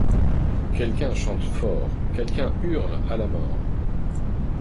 Quelqu’un chante fort, quelqu’un hurle à la mort.